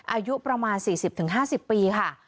อายุประมาณ๔๐๕๐ปีค่ะ